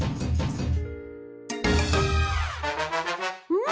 うん！